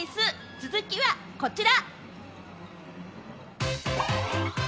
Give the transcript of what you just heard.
続いてはこちら。